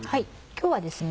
今日はですね